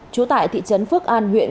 chú tại thị trấn phước an huyện